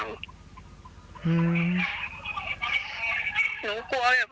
ดูหนูหนูห่วงพวกอย่างเดียว